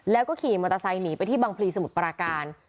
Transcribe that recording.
แล้วก็ขี่มอเตอร์ไซค์หนีไปที่บังพลีสมุทรปราการ